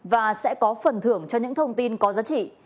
và sẽ có phần thưởng cho những thông tin có giá trị